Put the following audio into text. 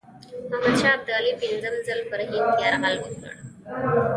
احمدشاه ابدالي پنځم ځل پر هند یرغل وکړ.